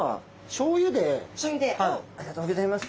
しょうゆでありがとうギョざいます。